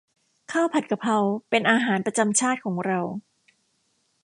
ข้าวผัดกะเพรา เป็นอาหารประจำชาติของเรา